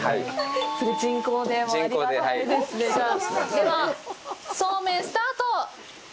では、そうめんスタート！